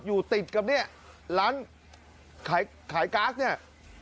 อยู่ติดกับร้านขายก๊าซนี่